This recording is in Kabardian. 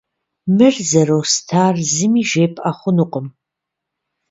Мыр зэростар зыми жепӏэ хъунукъым.